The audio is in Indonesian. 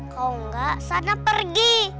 kau nggak sana pergi